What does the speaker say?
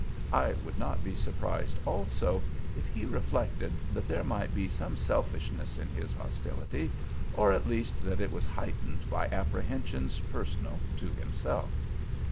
I would not be surprised, also, if he reflected that there might be some selfishness in his hostility, or at least that it was heightened by apprehensions personal to himself.